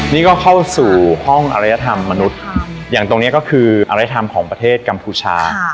นี่ก็เข้าสู่ห้องอรัยธรรมมนุษย์อย่างตรงนี้ก็คืออรัยธรรมของประเทศกัมพูชา